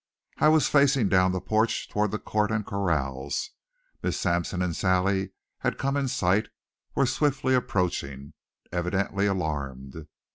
I was facing down the porch toward the court and corrals. Miss Sampson and Sally had come in sight, were swiftly approaching, evidently alarmed.